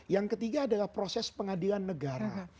yang ketiga adalah proses pengadilan negara